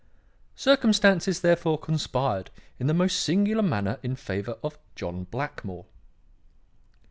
"Circumstances, therefore, conspired in the most singular manner in favour of John Blackmore.